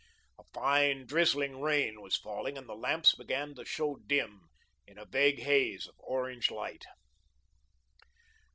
A fine, drizzling rain was falling, and the lamps began to show dim in a vague haze of orange light.